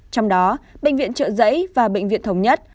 trong đó bệnh viện trợ giấy và bệnh viện thống nhất